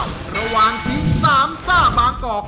จะรักให้สุดแขน